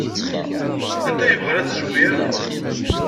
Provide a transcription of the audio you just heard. Anta ay yebɣan ad tezwir?